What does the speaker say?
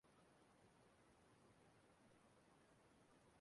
onye ọñụ jupụtara obi